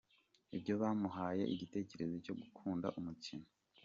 Ibyo byamuhaye igitekerezo cyo gukunda umukino.